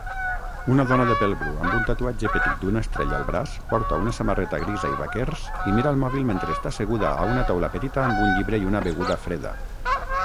Una dona de pèl bru amb un tatuatge petit d'una estrella al braç porta una samarreta grisa i vaquers i mira el mòbil mentre està asseguda a una taula petita amb un llibre i una beguda freda